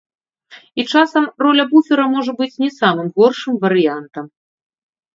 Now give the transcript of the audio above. І часам роля буфера можа быць не самым горшым варыянтам.